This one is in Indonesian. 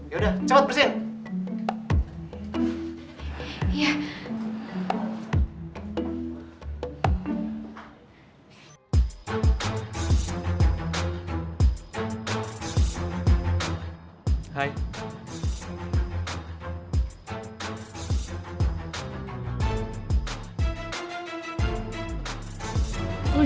yaudah cepet bersihin